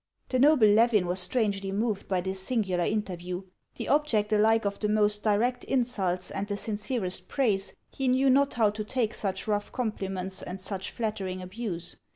The noble Levin was strangely moved bv this singular O •/«/ O interview. The object alike of the most direct insults and the siucerest praise, he knew not how to take such rough compliments and such flattering abuse.